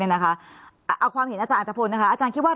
เอาความเห็นอาจารย์อัตภพลนะคะอาจารย์คิดว่า